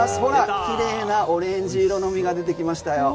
綺麗なオレンジ色の実が出てきましたよ。